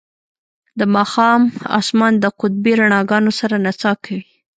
د ماښام اسمان د قطبي رڼاګانو سره نڅا کوي